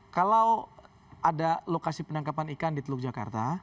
kalau ada lokasi penangkapan ikan di teluk jakarta